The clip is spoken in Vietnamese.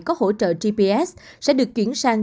có hỗ trợ gps sẽ được chuyển sang